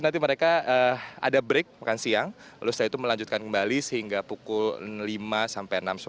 terima kasih pak